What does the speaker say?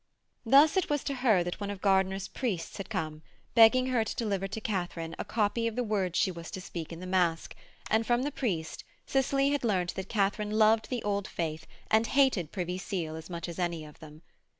Thus it was to her that one of Gardiner's priests had come begging her to deliver to Katharine a copy of the words she was to speak in the masque, and from the priest Cicely had learnt that Katharine loved the Old Faith and hated Privy Seal as much as any of them.